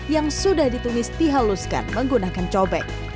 yang sudah ditumis dihaluskan menggunakan cobek